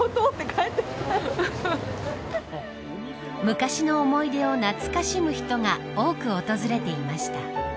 昔の思い出を懐かしむ人が多く訪れていました。